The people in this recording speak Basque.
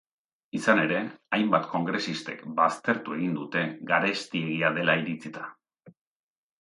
Izan ere, hainbat kongresistek baztertu egin dute, garestiegia dela iritzita.